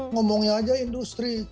ngomongnya aja industri